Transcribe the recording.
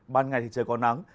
ban ngày thì trời còn nắng